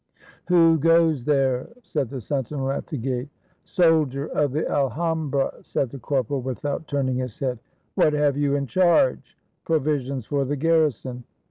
"Who goes there?" said the sentinel at the gate. " Soldier of the Alhambra !" said the corporal, without turning his head. "What have you in charge?" "Provisions for the garrison."